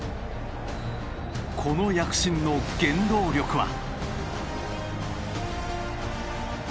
この躍進の原動力は。